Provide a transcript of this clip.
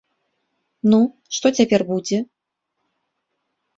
Ну, што цяпер будзе?